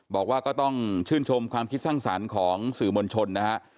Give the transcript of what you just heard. บอกว่าก็ต้องชื่นชมความคิดสร้างสรรค์ของสื่อมวลชนนะฮะ